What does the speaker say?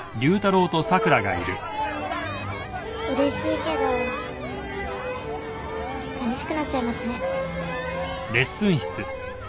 うれしいけどさみしくなっちゃいますね。